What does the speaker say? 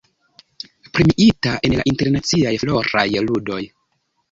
Premiita en la Internaciaj Floraj Ludoj.